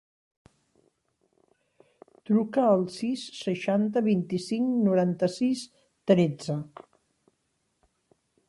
Truca al sis, seixanta, vint-i-cinc, noranta-sis, tretze.